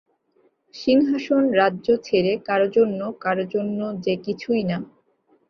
সিংহাসন, রাজ্য ছেড়ে, কারো জন্য, কারো জন্য যে কিছুইনা?